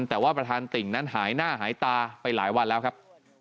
แต่ว่าประธานติ่งนั้นหายหน้าหายตาไปหลายวันแล้วครับ